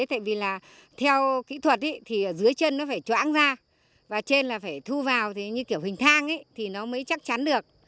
tại vì là theo kỹ thuật thì dưới chân nó phải choãng ra và trên là phải thu vào thì như kiểu hình thang thì nó mới chắc chắn được